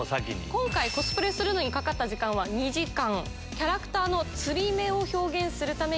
今回コスプレにかかった時間は２時間。